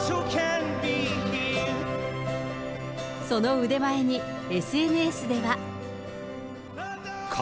その腕前にＳＮＳでは。